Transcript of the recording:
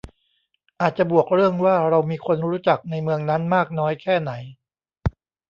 อาจจะบวกเรื่องว่าเรามีคนรู้จักในเมืองนั้นมากน้อยแค่ไหน